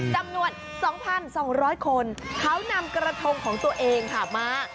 จำนวน๒๒๐๐คนเขานำกระทงของตัวเองค่ะมา